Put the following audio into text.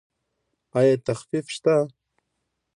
ایا تخفیف شته؟